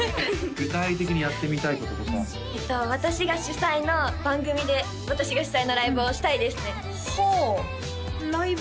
具体的にやってみたいこととか私が主催の番組で私が主催のライブをしたいですねほうライブ？